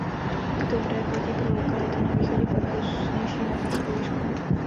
Tyto údaje platí pro lokality na východě parku s nižší nadmořskou výškou.